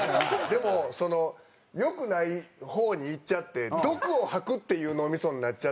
でも良くない方にいっちゃって毒を吐くっていう脳みそになっちゃって。